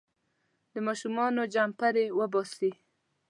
د ماشومانو چمبړې وباسي.